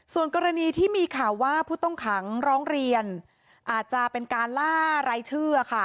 ส่วนกรณีที่มีข่าวว่าผู้ต้องขังร้องเรียนอาจจะเป็นการล่ารายชื่อค่ะ